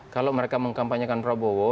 kalau mereka mengkampanyekan prabowo